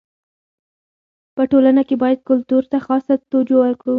په ټولنه کي باید کلتور ته خاصه توجو وکړي.